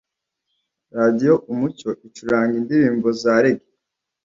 Radio umucyo icuranga indirimba za rege